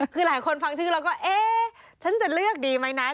คือหลายคนฟังชื่อแล้วก็เอ๊ะฉันจะเลือกดีไหมนะ